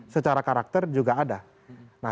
secara karakter juga ada